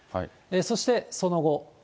そしてその後。